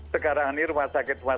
sekarang ini rumah sakit